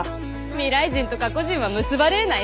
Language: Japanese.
未来人と過去人は結ばれえないし。